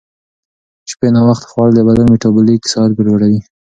شپې ناوخته خوړل د بدن میټابولیک ساعت ګډوډوي.